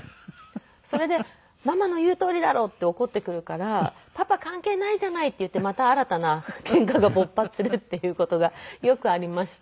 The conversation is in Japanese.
それで「ママの言うとおりだろ」って怒ってくるから「パパ関係ないじゃない」って言ってまた新たなケンカが勃発するっていう事がよくありました。